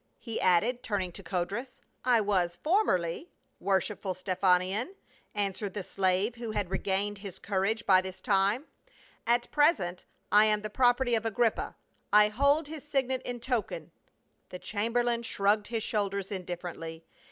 he added, turn ing to Codrus. " I was formerly, worshipful Stephanion," answered the slave, who had regained his courage by this time. " At present I am the property of Agrippa. I hold his signet in token —" The chamberlain shrugged his shoulders indiffer ently.